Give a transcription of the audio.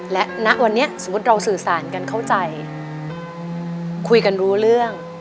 และณวันนี้สมมุติเราสื่อสารกันเข้าใจคุยกันรู้เรื่อง